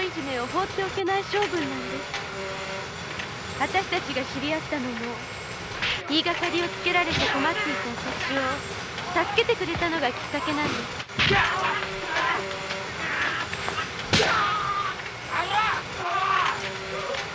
二人が知り合ったのも言いがかりをつけられて困っていた私を助けてくれたのがきっかけなんです。